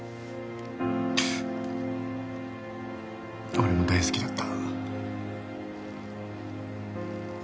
俺も大好きだった。